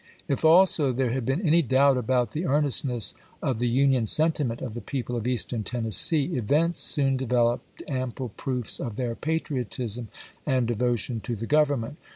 If, also, there had been any doubt about the earnestness of the Union sentiment of the people of Eastern Tennessee, events soon developed ample proofs of their patriotism and devotion to the Government.